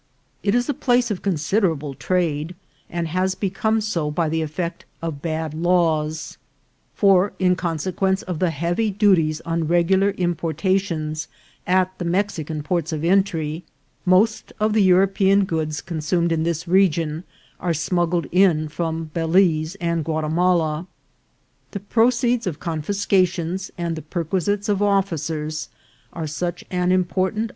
It is a place of considerable trade, and has become so by the effect of bad laws ; for, in consequence of the heavy duties on regular importations at the Mexican ports of entry, most of the European goods consumed in this region are smuggled in from Balize and Guatimala. The proceeds of confiscations and the perquisites of officers are such an important UTILITY OP A FRIEND.